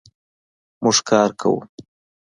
مونږ کار کوو